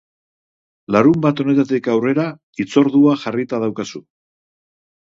Larunbat honetatik aurrera, hitzordua jarrita daukazu.